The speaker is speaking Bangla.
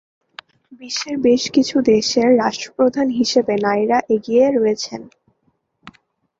বিশ্বের বেশ কিছু দেশের রাষ্ট্রপ্রধান হিসেবে নারীরা এগিয়ে রয়েছেন।